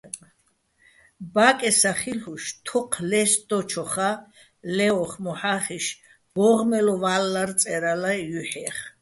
ბა́კე სახილუშ თოჴ ლე́სტდოჩოხა́ ლე́ოხ მოჰ̦ახიშ ბო́ღმელო ვა́ლლარ წე́რალა ჲუჰ̦ეხ.